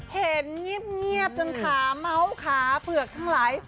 เห็นเงี๊บเงี๊บจนถามเมาท์ขาเปลือกทั้งหลาย